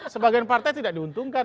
sebagian partai tidak diuntungkan